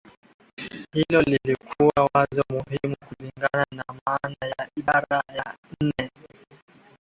hilo lilikuwa wazo muhimu kulingana na maana ya ibara ya nne